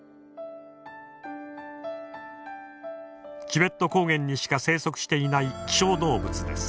チベット高原にしか生息していない希少動物です。